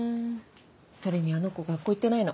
それにあの子学校行ってないの。